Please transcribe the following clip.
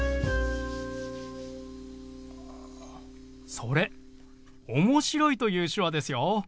それ「面白い」という手話ですよ。